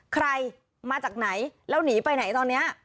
ใครมาจากไหนแล้วหนีไปไหนตอนนี้